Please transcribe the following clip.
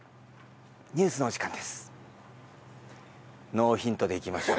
ノーヒントでいきましょう。